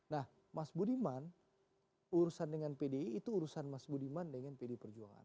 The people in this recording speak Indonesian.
nah mas budiman urusan dengan pdi itu urusan mas budiman dengan pdi perjuangan